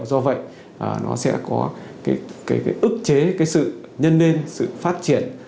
do vậy nó sẽ có ức chế sự nhân lên sự phát triển